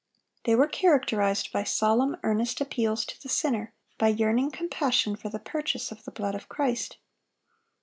They were characterized by solemn, earnest appeals to the sinner, by yearning compassion for the purchase of the blood of Christ.